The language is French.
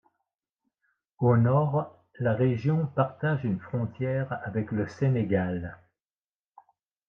Au nord, la région partage une frontière avec le Sénégal.